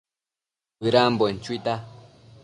Bëdambuen chuita